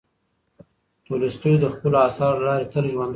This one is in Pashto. تولستوی د خپلو اثارو له لارې تل ژوندی دی.